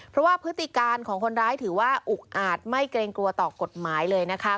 เพราะว่าพฤติการของคนร้ายถือว่าอุกอาจไม่เกรงกลัวต่อกฎหมายเลยนะคะ